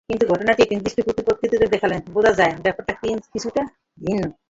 কিন্তু ঘটনাটি একটি নির্দিষ্ট পরিপ্রেক্ষিতে দেখলে বোঝা যায়, ব্যাপারটা কিছুটা ভিন্ন।